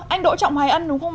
anh đỗ trọng hoài ân đúng không ạ